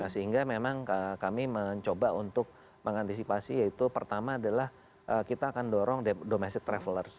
sehingga memang kami mencoba untuk mengantisipasi yaitu pertama adalah kita akan dorong domestic traveler